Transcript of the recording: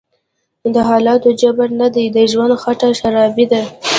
دحالاتو_جبر_نه_دی_د_ژوند_خټه_شرابي_ده